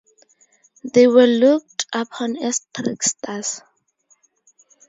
They were looked upon as tricksters.